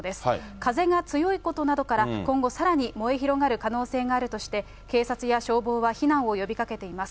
風が強いことなどから、今後、さらに燃え広がる可能性があるとして、警察や消防は避難を呼びかけています。